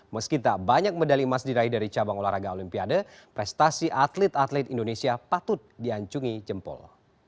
meski tak banyak medali emas diraih dari cabang olahraga olimpiade prestasi atlet atlet indonesia patut diancungi jempol